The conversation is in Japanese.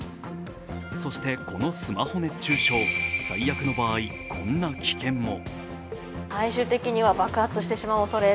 そしてこのスマホ熱中症、最悪の場合、こんな危険も。